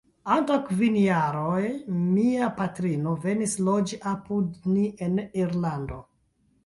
Antaŭ kvin jaroj mia patrino venis loĝi apud ni en Irlando.